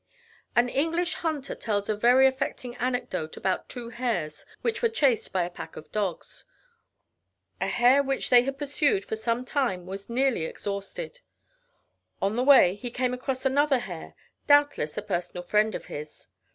An English hunter tells a very affecting anecdote about two hares which were chased by a pack of dogs. A hare which they had pursued for some time was nearly exhausted. On the way, he came across another hare, doubtless a personal friend of his.